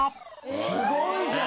すごいじゃん。